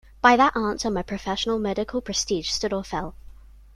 By that answer my professional medical prestige stood or fell.